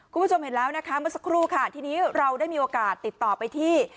คุณผู้ชมเห็นแล้วนะคะเมื่อสักครู่ค่ะทีนี้เราได้มีโอกาสติดต่อไปที่